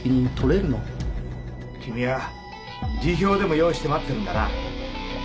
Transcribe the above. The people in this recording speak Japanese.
君は辞表でも用意して待ってるんだな。